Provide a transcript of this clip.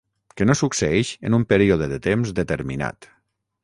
Que no succeeix en un període de temps determinat.